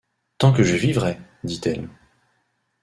Tant que je vivrai, dit-elle.